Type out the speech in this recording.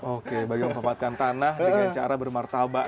oke bagi memanfaatkan tanah dengan cara bermartabat